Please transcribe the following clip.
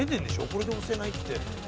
これで押せないって。